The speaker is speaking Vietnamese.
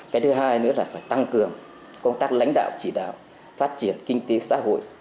cái thứ hai nữa là phải tăng cường công tác lãnh đạo chỉ đạo phát triển kinh tế xã hội